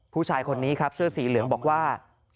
ผู้ชายคนนี้ครับเสื้อสีเหลืองบอกว่า